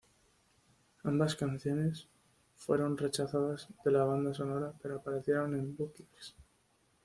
Ambas canciones fueron rechazadas de la banda sonora pero aparecieron en "bootlegs".